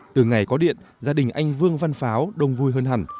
từ ngày có điện gia đình anh vương văn pháo đông vui hơn hẳn